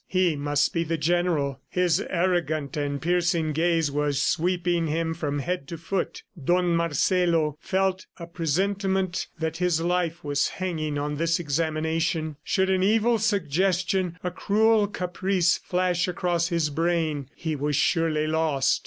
He must be the general. His arrogant and piercing gaze was sweeping him from head to foot. Don Marcelo felt a presentiment that his life was hanging on this examination; should an evil suggestion, a cruel caprice flash across this brain, he was surely lost.